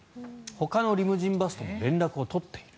ほかのリムジンバスと連絡を取っている。